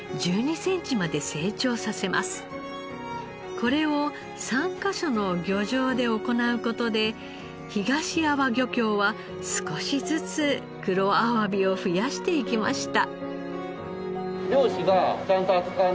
これを３カ所の漁場で行う事で東安房漁協は少しずつ黒あわびを増やしていきました。